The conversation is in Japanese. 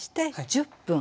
１０分。